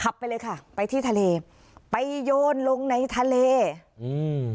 ไปเลยค่ะไปที่ทะเลไปโยนลงในทะเลอืม